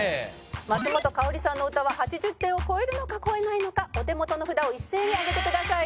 松本薫さんの歌は８０点を超えるのか超えないのかお手元の札を一斉に上げてください。